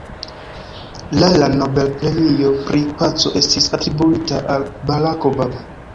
La la Nobel-premio pri paco estis atribuita al Barack Obama.